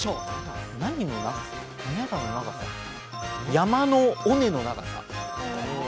山の尾根の長さ。